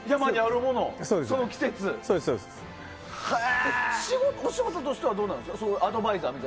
お仕事としてはどうなんですか。